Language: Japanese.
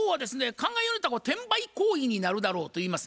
考えようによっては転売行為になるだろうといいます。